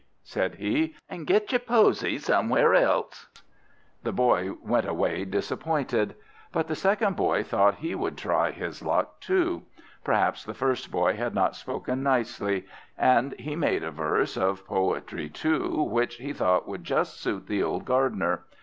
said he, "and get your posy somewhere else!" The boy went away disappointed; but the second boy thought he would try his luck too. Perhaps the first boy had not spoken nicely; and he had made a verse of poetry too, which he thought would just suit the old Gardener.